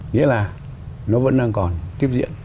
nghĩa là nó vẫn đang còn tiếp diễn